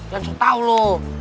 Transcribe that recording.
jangan sok tau lu